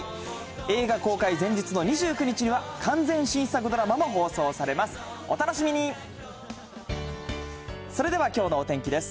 映画公開前日の２９日には完全新作ドラマも放送されます。